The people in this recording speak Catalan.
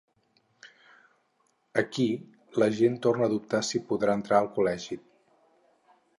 Aquí l’agent torna a dubtar si podrà entrar al col·legi.